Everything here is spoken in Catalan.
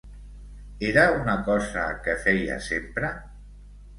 Era una cosa que feia sempre?